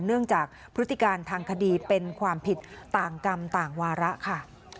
เนื่องจากพฤติการทางคดีเป็นความผิดต่างกรรมต่างวาระค่ะ